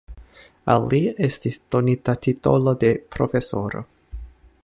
Al li estis donita titolo de profesoro.